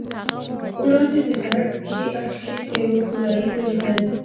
وړاندې د سړک په ښي اړخ کې مې یوه ګولایي ولیدل.